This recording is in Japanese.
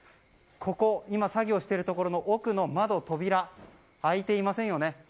今作業をしているところの窓、扉開いていませんよね。